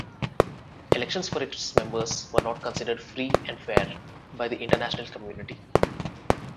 Elections for its members were not considered free and fair by the international community.